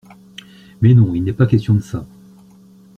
Mais non, il n’est pas question de ça.